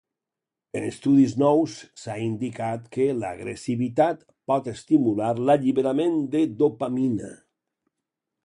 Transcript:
En estudis nous s'ha indicat que l'agressivitat pot estimular l'alliberament de dopamina.